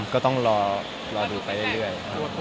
ก็ต้องรอดูไปเรื่อย